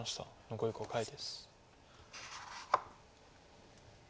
残り５回です。